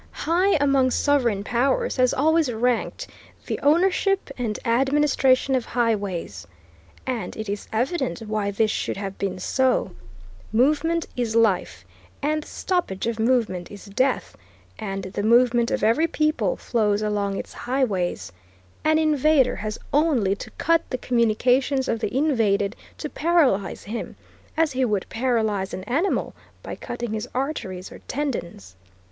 High among sovereign powers has always ranked the ownership and administration of highways. And it is evident why this should have been so. Movement is life, and the stoppage of movement is death, and the movement of every people flows along its highways. An invader has only to cut the communications of the invaded to paralyze him, as he would paralyze an animal by cutting his arteries or tendons.